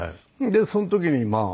でその時にまあ